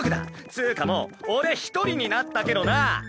つぅかもう俺１人になったけどな！